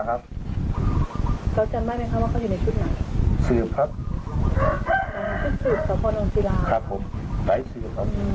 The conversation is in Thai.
ครับผมพี่สุดครับผม